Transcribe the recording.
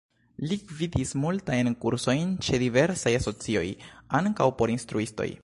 Li gvidis multajn kursojn ĉe diversaj asocioj, ankaŭ por instruistoj.